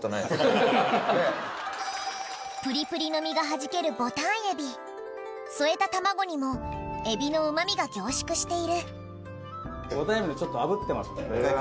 プリプリの身がはじけるボタンエビ添えた卵にもエビのうまみが凝縮しているボタンエビちょっとあぶってますんで。